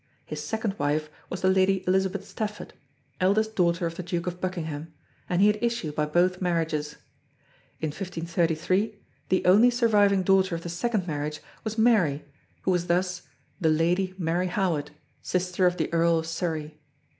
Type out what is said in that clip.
His second wife was the lady Elizabeth Stafford, eldest daughter of the Duke of Buckingham, and he had issue by both marriages. In 1533 the only surviving daughter of the second marriage was Mary, who was thus the Lady Mary Howard, sister of the Earl of Surrey.